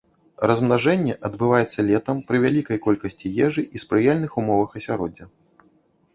Размнажэнне адбываецца летам пры вялікай колькасці ежы і спрыяльных умовах асяроддзя.